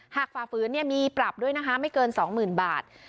ฝ่าฝืนมีปรับด้วยนะคะไม่เกิน๒๐๐๐บาท